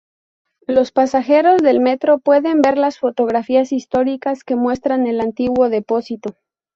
Los pasajeros del metro pueden ver las fotografías históricas que muestran el antiguo depósito.